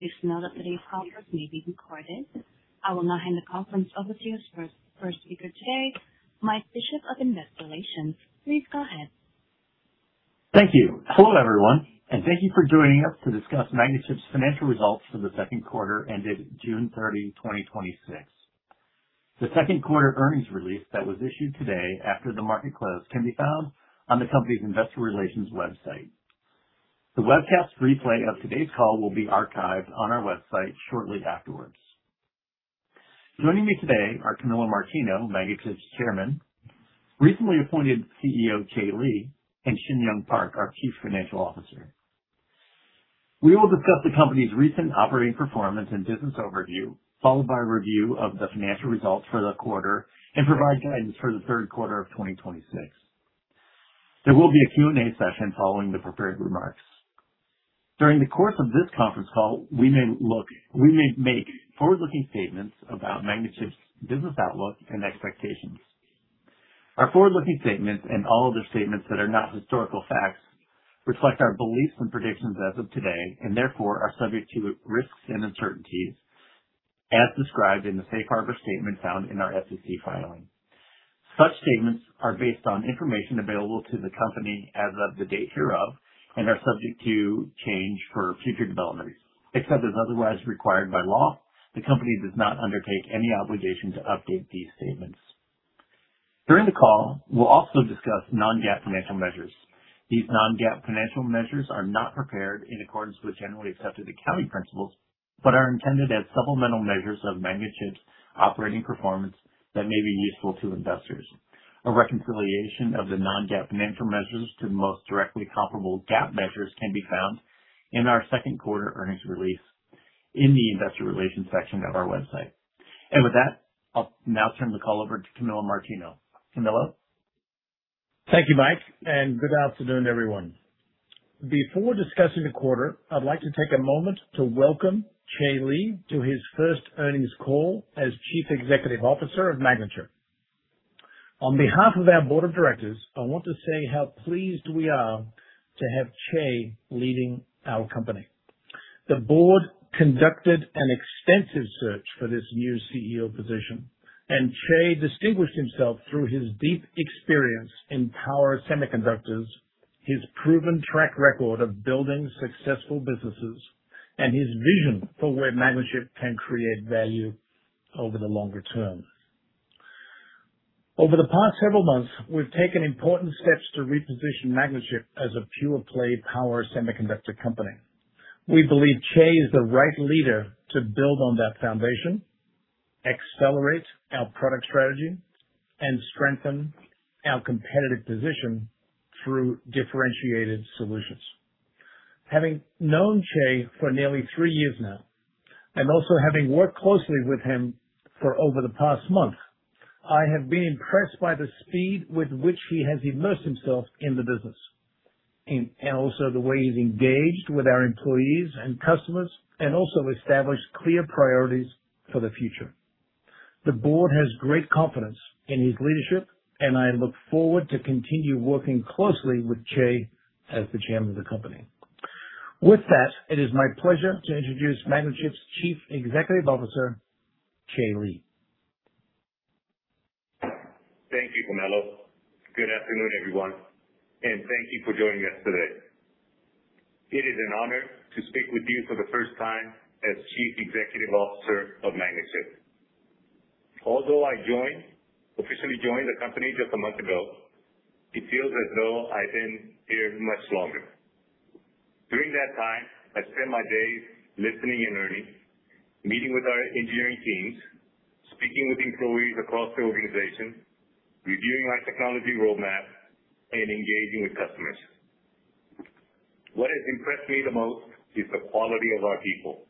Please know that today's conference may be recorded. I will now hand the conference over to your first speaker today, Mike Bishop of Investor Relations. Please go ahead. Thank you. Hello, everyone, and thank you for joining us to discuss Magnachip's financial results for the Q2 ended June 30, 2026. The Q2 earnings release that was issued today after the market close can be found on the company's investor relations website. The webcast replay of today's call will be archived on our website shortly afterwards. Joining me today are Camillo Martino, Magnachip's chairman, recently appointed CEO, Chae Lee, and Shinyoung Park, our Chief Financial Officer. We will discuss the company's recent operating performance and business overview, followed by a review of the financial results for the quarter and provide guidance for the Q3 of 2026. There will be a Q&A session following the prepared remarks. During the course of this conference call, we may make forward-looking statements about Magnachip's business outlook and expectations. Our forward-looking statements, and all other statements that are not historical facts, reflect our beliefs and predictions as of today, and therefore are subject to risks and uncertainties as described in the safe harbor statement found in our SEC filing. Such statements are based on information available to the company as of the date hereof and are subject to change for future developments. Except as otherwise required by law, the company does not undertake any obligation to update these statements. During the call, we will also discuss non-GAAP financial measures. These non-GAAP financial measures are not prepared in accordance with generally accepted accounting principles, but are intended as supplemental measures of Magnachip's operating performance that may be useful to investors. A reconciliation of the non-GAAP financial measures to the most directly comparable GAAP measures can be found in our second quarter earnings release in the investor relations section of our website. With that, I will now turn the call over to Camillo Martino. Camillo? Thank you, Mike, and good afternoon, everyone. Before discussing the quarter, I'd like to take a moment to welcome Chae Lee to his first earnings call as Chief Executive Officer of Magnachip. On behalf of our Board of Directors, I want to say how pleased we are to have Chae leading our company. The Board conducted an extensive search for this new CEO position, and Chae distinguished himself through his deep experience in power semiconductors, his proven track record of building successful businesses, and his vision for where Magnachip can create value over the longer term. Over the past several months, we've taken important steps to reposition Magnachip as a pure-play power semiconductor company. We believe Chae is the right leader to build on that foundation, accelerate our product strategy, and strengthen our competitive position through differentiated solutions. Having known Chae for nearly three years now, also having worked closely with him for over the past month, I have been impressed by the speed with which he has immersed himself in the business, also the way he's engaged with our employees and customers and established clear priorities for the future. The Board has great confidence in his leadership, I look forward to continue working closely with Chae as the Chairman of the company. With that, it is my pleasure to introduce Magnachip's Chief Executive Officer, Chae Lee. Thank you, Camillo. Good afternoon, everyone, thank you for joining us today. It is an honor to speak with you for the first time as Chief Executive Officer of Magnachip. Although I officially joined the company just a month ago, it feels as though I've been here much longer. During that time, I've spent my days listening and learning, meeting with our engineering teams, speaking with employees across the organization, reviewing our technology roadmap, and engaging with customers. What has impressed me the most is the quality of our people.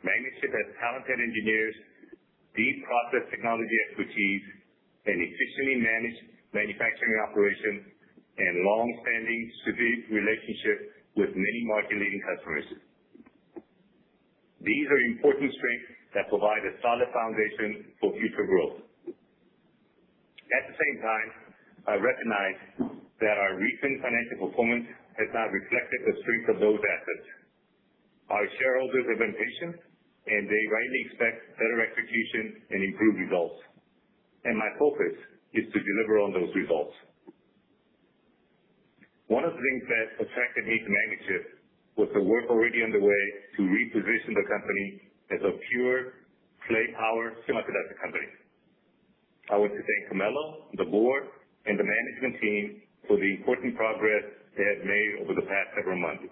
Magnachip has talented engineers, deep process technology expertise, an efficiently managed manufacturing operation, and longstanding, strategic relationships with many market-leading customers. These are important strengths that provide a solid foundation for future growth. At the same time, I recognize that our recent financial performance has not reflected the strength of those assets. Our shareholders have been patient, they rightly expect better execution and improved results, my focus is to deliver on those results. One of the things that attracted me to Magnachip was the work already underway to reposition the company as a pure-play power semiconductor company. I want to thank Camillo, the Board, and the management team for the important progress they have made over the past several months.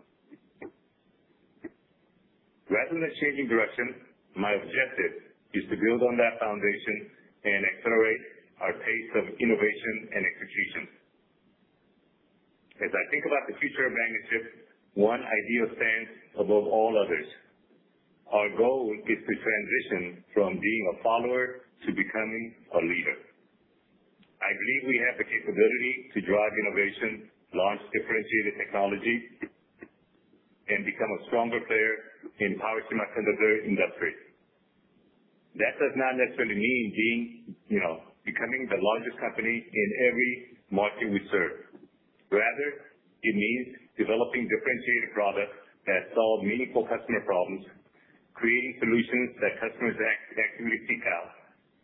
Rather than changing direction, my objective is to build on that foundation and accelerate our pace of innovation and execution. As I think about the future of Magnachip, one idea stands above all others. Our goal is to transition from being a follower to becoming a leader. I believe we have the capability to drive innovation, launch differentiated technology, and become a stronger player in power semiconductor industry. That does not necessarily mean becoming the largest company in every market we serve. Rather, it means developing differentiated products that solve meaningful customer problems, creating solutions that customers actively seek out,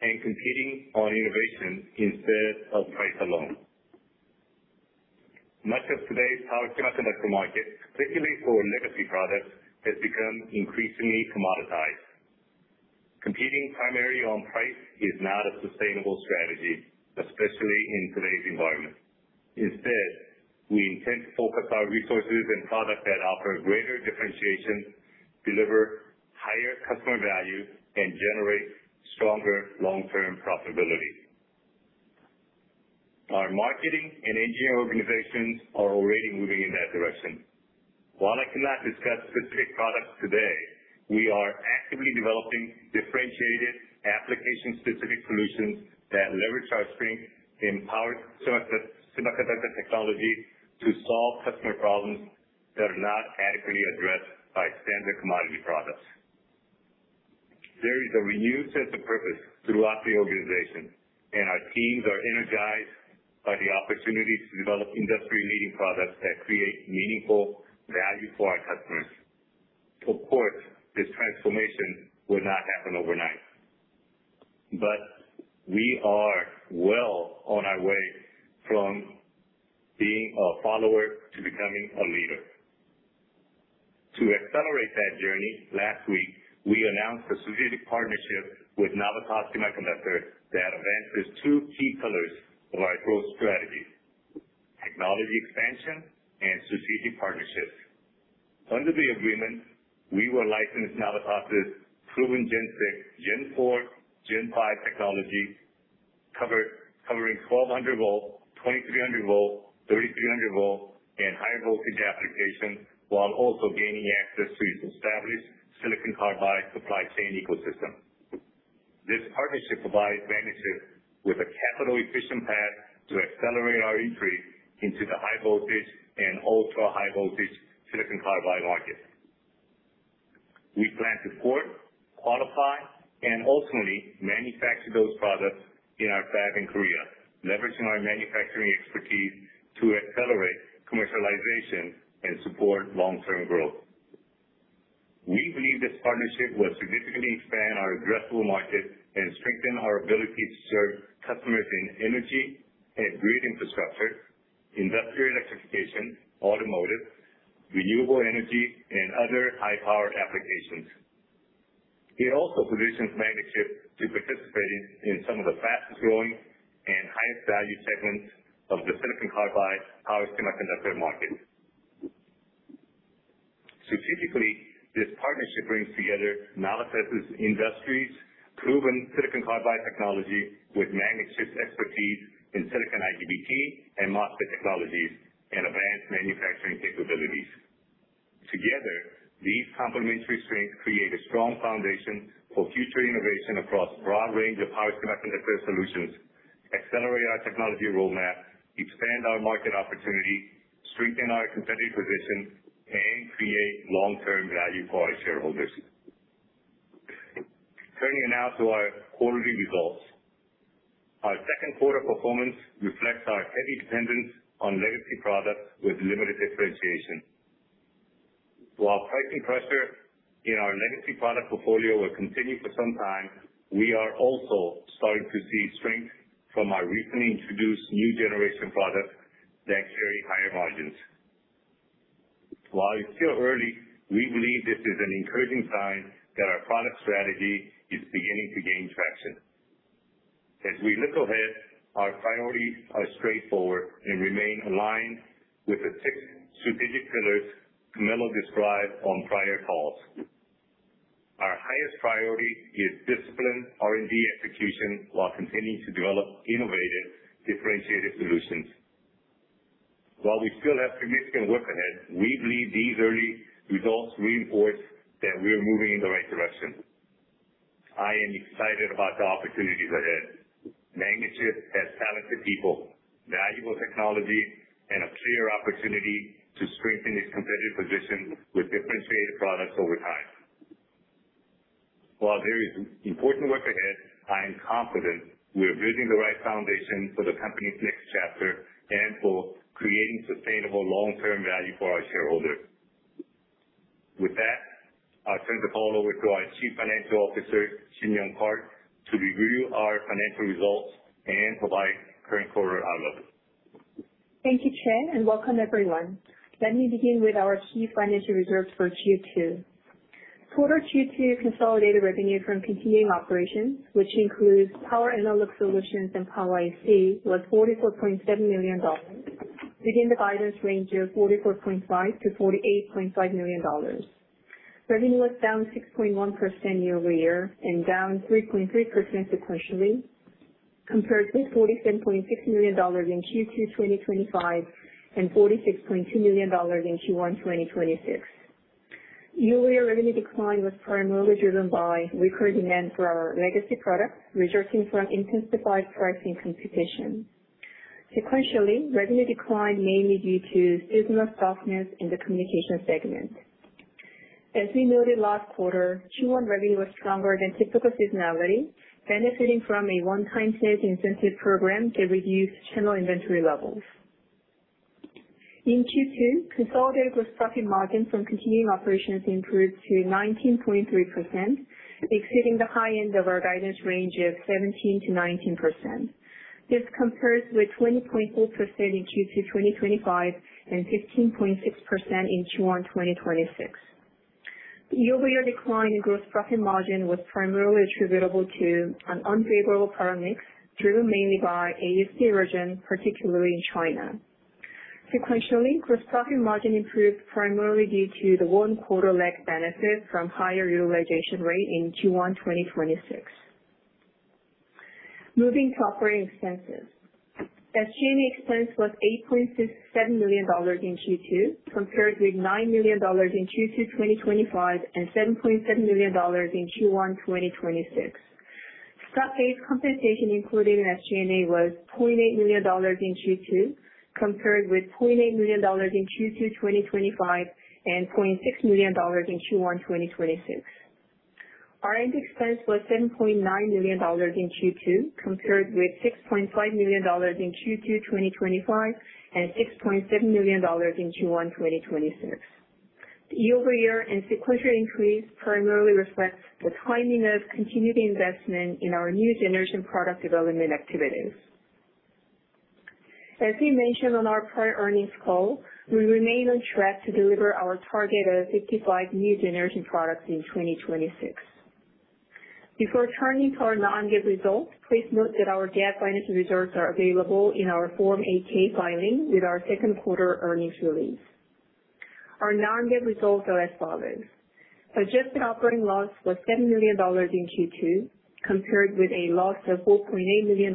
and competing on innovation instead of price alone. Much of today's power semiconductor market, particularly for legacy products, has become increasingly commoditized. Competing primarily on price is not a sustainable strategy, especially in today's environment. Instead, we intend to focus our resources and products that offer greater differentiation, deliver higher customer value, and generate stronger long-term profitability. Our marketing and engineering organizations are already moving in that direction. While I cannot discuss specific products today, we are actively developing differentiated application-specific solutions that leverage our strength in power semiconductor technology to solve customer problems that are not adequately addressed by standard commodity products. There is a renewed sense of purpose throughout the organization, and our teams are energized by the opportunity to develop industry-leading products that create meaningful value for our customers. Of course, this transformation will not happen overnight. We are well on our way from being a follower to becoming a leader. To accelerate that journey, last week, we announced a strategic partnership with Navitas Semiconductor that advances two key pillars of our growth strategy: technology expansion and strategic partnerships. Under the agreement, we will license Navitas' proven Gen 6, Gen 4, Gen 5 technology, covering 1200 volt, 2300 volt, 3300 volt, and higher voltage applications, while also gaining access to its established silicon carbide supply chain ecosystem. This partnership provides Magnachip with a capital-efficient path to accelerate our entry into the high voltage and ultra-high voltage silicon carbide market. We plan to support, qualify, and ultimately manufacture those products in our fab in Korea, leveraging our manufacturing expertise to accelerate commercialization and support long-term growth. We believe this partnership will significantly expand our addressable market and strengthen our ability to serve customers in energy and grid infrastructure, industrial electrification, automotive, renewable energy, and other high-power applications. It also positions Magnachip to participate in some of the fastest-growing and highest-value segments of the silicon carbide power semiconductor market. Strategically, this partnership brings together Navitas' industry-proven silicon carbide technology, with Magnachip's expertise in silicon IGBT and MOSFET technologies and advanced manufacturing capabilities. Together, these complementary strengths create a strong foundation for future innovation across a broad range of power semiconductor solutions, accelerate our technology roadmap, expand our market opportunity, strengthen our competitive position, and create long-term value for our shareholders. Turning now to our quarterly results. Our Q2 performance reflects our heavy dependence on legacy products with limited differentiation. While pricing pressure in our legacy product portfolio will continue for some time, we are also starting to see strength from our recently introduced new generation products that carry higher margins. While it's still early, we believe this is an encouraging sign that our product strategy is beginning to gain traction. As we look ahead, our priorities are straightforward and remain aligned with the six strategic pillars Camillo described on prior calls. Our highest priority is disciplined R&D execution while continuing to develop innovative, differentiated solutions. While we still have significant work ahead, we believe these early results reinforce that we are moving in the right direction. I am excited about the opportunities ahead. Magnachip has talented people, valuable technology, and a clear opportunity to strengthen its competitive position with differentiated products over time. While there is important work ahead, I am confident we are building the right foundation for the company's next chapter and for creating sustainable long-term value for our shareholders. With that, I will turn the call over to our Chief Financial Officer, Shinyoung Park, to review our financial results and provide current quarter outlook. Thank you, Chae, and welcome everyone. Let me begin with our key financial results for Q2. Quarter Q2 consolidated revenue from continuing operations, which includes Power Analog Solutions and Power IC, was $44.7 million, within the guidance range of $44.5 million-$48.5 million. Revenue was down 6.1% year-over-year and down 3.3% sequentially compared to $47.6 million in Q2 2025 and $46.2 million in Q1 2026. Year-over-year revenue decline was primarily driven by weaker demand for our legacy products, resulting from intensified pricing competition. Sequentially, revenue declined mainly due to seasonal softness in the communication segment. As we noted last quarter, Q1 revenue was stronger than typical seasonality, benefiting from a one-time sales incentive program that reduced channel inventory levels. In Q2, consolidated gross profit margin from continuing operations improved to 19.3%, exceeding the high end of our guidance range of 17%-19%. This compares with 20.4% in Q2 2025, and 15.6% in Q1 2026. Year-over-year decline in gross profit margin was primarily attributable to an unfavorable product mix, driven mainly by APAC regions, particularly in China. Sequentially, gross profit margin improved primarily due to the one-quarter lag benefit from higher utilization rate in Q1 2026. Moving to operating expenses. SG&A expense was $8.67 million in Q2, compared with $9 million in Q2 2025, and $7.7 million in Q1 2026. Stock-based compensation included in SG&A was $0.8 million in Q2, compared with $0.8 million in Q2 2025, and $0.6 million in Q1 2026. R&D expense was $7.9 million in Q2, compared with $6.5 million in Q2 2025, and $6.7 million in Q1 2026. The year-over-year and sequential increase primarily reflects the timing of continued investment in our new generation product development activities. As we mentioned on our prior earnings call, we remain on track to deliver our target of 55 new generation products in 2026. Before turning to our non-GAAP results, please note that our GAAP financial results are available in our Form 8-K filing with our Q2 earnings release. Our non-GAAP results are as follows. Adjusted operating loss was $7 million in Q2, compared with a loss of $4.8 million in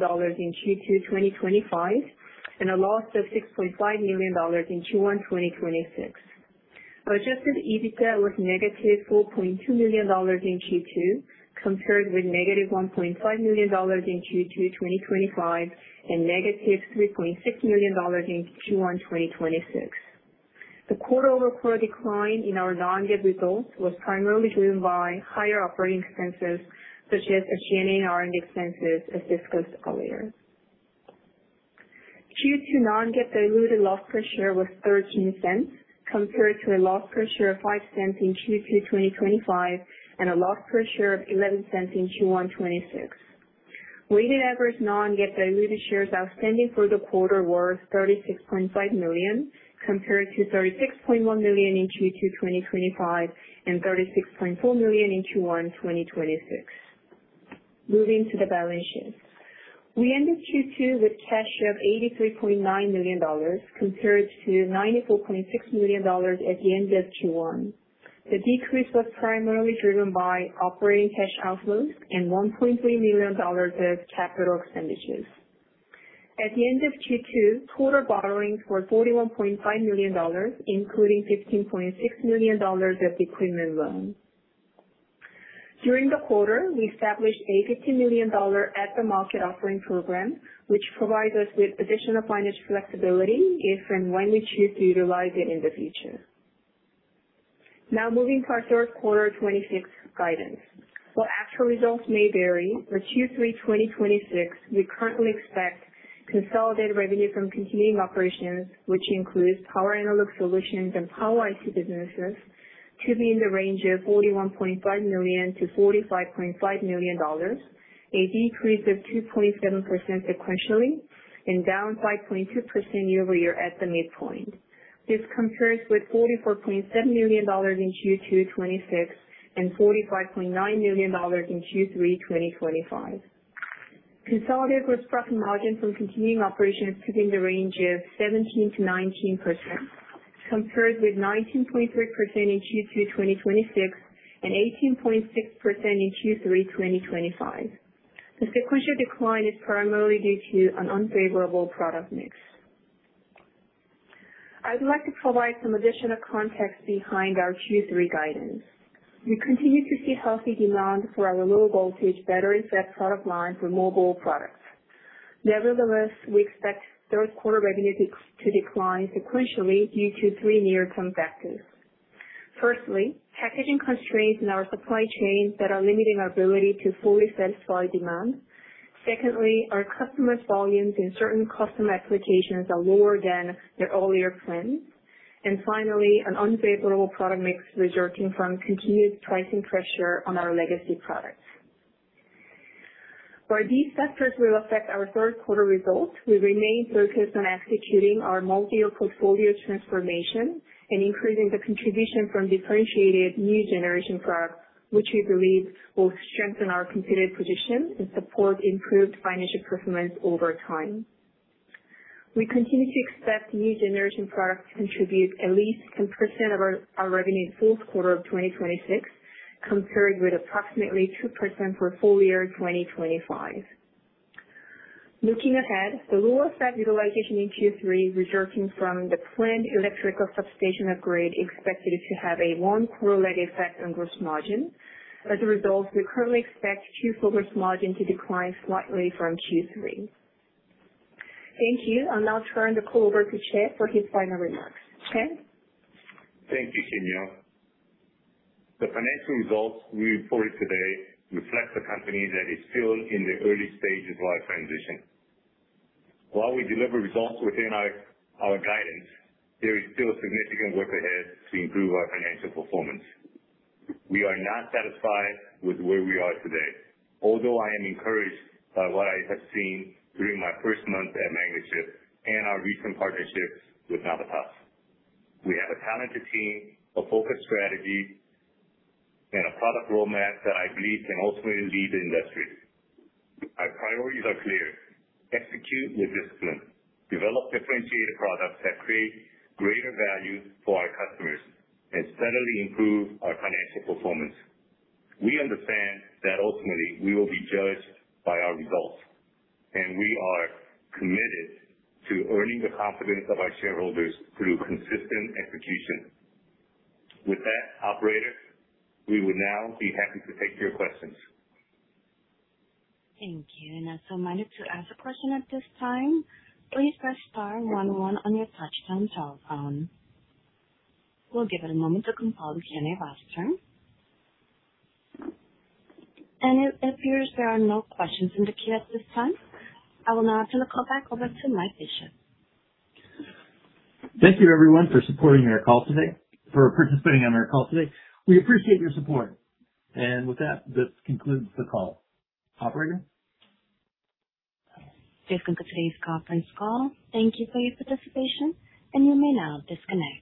Q2 2025, and a loss of $6.5 million in Q1 2026. Adjusted EBITDA was negative $4.2 million in Q2, compared with negative $1.5 million in Q2 2025, and negative $3.6 million in Q1 2026. The quarter-over-quarter decline in our non-GAAP results was primarily driven by higher operating expenses, such as SG&A and R&D expenses, as discussed earlier. Q2 non-GAAP diluted loss per share was $0.13, compared to a loss per share of $0.05 in Q2 2025, and a loss per share of $0.11 in Q1 2026. Weighted average non-GAAP diluted shares outstanding for the quarter were 36.5 million, compared to 36.1 million in Q2 2025, and 36.4 million in Q1 2026. Moving to the balance sheet. We ended Q2 with cash of $83.9 million, compared to $94.6 million at the end of Q1. The decrease was primarily driven by operating cash outflows and $1.3 million of capital expenditures. At the end of Q2, total borrowings were $41.5 million, including $15.6 million of equipment loans. During the quarter, we established a $50 million at-the-market offering program, which provides us with additional financial flexibility if and when we choose to utilize it in the future. Moving to our Q3 2026 guidance. While actual results may vary, for Q3 2026, we currently expect consolidated revenue from continuing operations, which includes Power Analog Solutions and Power IC businesses, to be in the range of $41.5 million-$45.5 million, a decrease of 2.7% sequentially and down 5.2% year-over-year at the midpoint. This compares with $44.7 million in Q2 2026 and $45.9 million in Q3 2025. Consolidated gross profit margin from continuing operations within the range of 17%-19%, compared with 19.3% in Q2 2026 and 18.6% in Q3 2025. The sequential decline is primarily due to an unfavorable product mix. I would like to provide some additional context behind our Q3 guidance. We continue to see healthy demand for our Low Voltage Battery FET product line for mobile products. Nevertheless, we expect Q3 revenue to decline sequentially due to three near-term factors. Firstly, packaging constraints in our supply chain that are limiting our ability to fully satisfy demand. Secondly, our customers' volumes in certain custom applications are lower than their earlier plans. Finally, an unfavorable product mix resulting from continued pricing pressure on our legacy products. While these factors will affect our Q3 results, we remain focused on executing our multi-year portfolio transformation and increasing the contribution from differentiated new generation products, which we believe will strengthen our competitive position and support improved financial performance over time. We continue to expect new generation products to contribute at least 10% of our revenue in full quarter of 2026, compared with approximately two percent for full year 2025. Looking ahead, the lower fab utilization in Q3 resulting from the planned electrical substation upgrade expected to have a one quarter lag effect on gross margin. As a result, we currently expect Q4 gross margin to decline slightly from Q3. Thank you. I'll now turn the call over to Chae for his final remarks. Chae? Thank you, Shinyoung. The financial results we reported today reflect a company that is still in the early stages of our transition. While we deliver results within our guidance, there is still significant work ahead to improve our financial performance. We are not satisfied with where we are today, although I am encouraged by what I have seen during my first month at Magnachip and our recent partnerships with Navitas. We have a talented team, a focused strategy, and a product roadmap that I believe can ultimately lead the industry. Our priorities are clear: execute with discipline, develop differentiated products that create greater value for our customers, and steadily improve our financial performance. We understand that ultimately we will be judged by our results, and we are committed to earning the confidence of our shareholders through consistent execution. With that, operator, we would now be happy to take your questions. Thank you. Might have to ask a question at this time, please press star one one on your touch-tone telephone. We'll give it a moment to compile the queue in the register. It appears there are no questions in the queue at this time. I will now turn the call back over to Mike Bishop. Thank you everyone for supporting our call today, for participating on our call today. We appreciate your support. With that, this concludes the call. Operator? This concludes today's conference call. Thank you for your participation, and you may now disconnect.